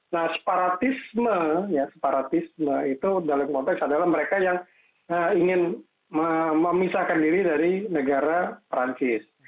nah separatisme ya separatisme itu dalam konteks adalah mereka yang ingin memisahkan diri dari negara perancis